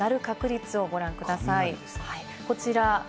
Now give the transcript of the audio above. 雷の鳴る確率をご覧ください。